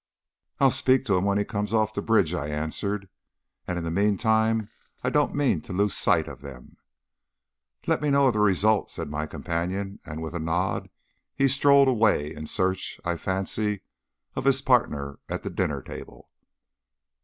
"I'll speak to him when he comes off the bridge," I answered; "and in the meantime I don't mean to lose sight of them." "Let me know of the result," said my companion; and with a nod he strolled away in search, I fancy, of his partner at the dinner table.